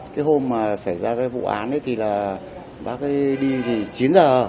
khi mà xảy ra cái vụ án ấy thì là bác ấy đi thì chín h